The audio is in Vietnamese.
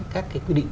các cái quy định